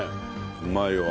うまいわ。